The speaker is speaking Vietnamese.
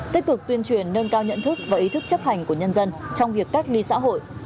tích cực tuyên truyền nâng cao nhận thức và ý thức chấp hành của nhân dân trong việc cách ly xã hội